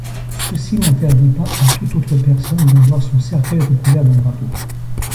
Ceci n'interdit pas à toute autre personne d'avoir son cercueil recouvert d'un drapeau.